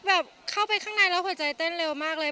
แบบเข้าไปข้างในแล้วหัวใจเต้นเร็วมากเลย